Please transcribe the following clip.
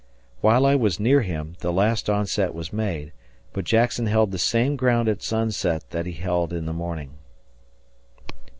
While I was near him, the last onset was made, but Jackson held the same ground at sunset that he held in the morning.